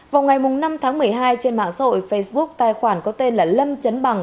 vào ngày năm tháng một mươi hai trên mạng xã hội facebook tài khoản có tên là lâm trấn bằng